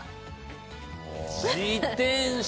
自転車。